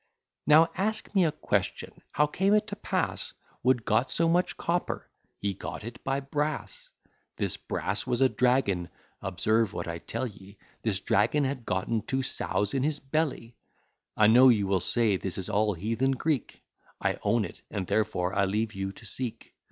Now ask me a question. How came it to pass Wood got so much copper? He got it by brass; This brass was a dragon, (observe what I tell ye,) This dragon had gotten two sows in his belly; I know you will say this is all heathen Greek. I own it, and therefore I leave you to seek.